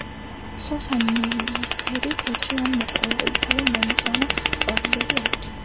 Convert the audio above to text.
სოსანი, იისფერი, თეთრი ან მოყვითალო-მომწვანო ყვავილები აქვთ.